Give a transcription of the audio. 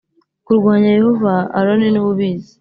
kurwanya Yehova Aroni ni we ubizi